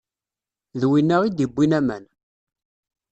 D winna i d-iwwin aman